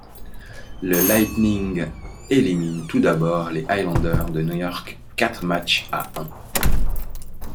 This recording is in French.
Le Lightning élimine tout d'abord les Islanders de New York quatre matchs à un.